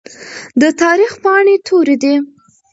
د تاريخ پاڼې تورې دي.